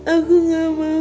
aku gak mau